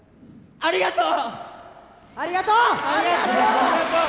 ありがとう！